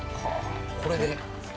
これで。